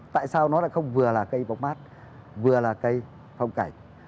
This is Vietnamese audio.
tại sao nó lại không vừa là cây bóng mát vừa là cây phong cảnh